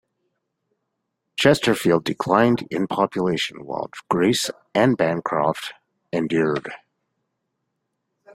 Chesterfield declined in population while Grace and Bancroft endured.